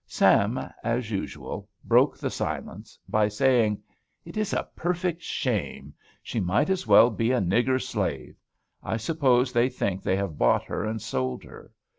Sam, as usual, broke the silence by saying, "It is a perfect shame! She might as well be a nigger slave! I suppose they think they have bought her and sold her.